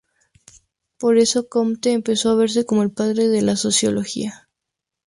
Por eso Comte empezó a verse como el "Padre de la Sociología".